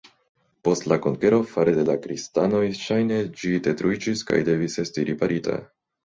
Post la konkero fare de la kristanoj ŝajne ĝi detruiĝis kaj devis esti riparita.